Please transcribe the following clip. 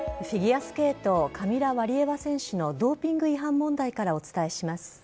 フィギュアスケート、カミラ・ワリエワ選手のドーピング違反問題からお伝えします。